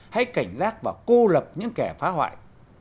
hãy cảnh giác và cô lập những kẻ phá hoại